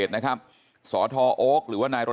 ทำให้สัมภาษณ์อะไรต่างนานไปออกรายการเยอะแยะไปหมด